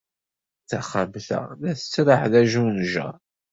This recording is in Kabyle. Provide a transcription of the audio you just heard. Taxxamt-a la tettraḥ d ajjunjeṛ.